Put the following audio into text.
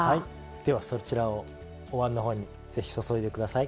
ではそちらをおわんのほうにぜひ注いで下さい。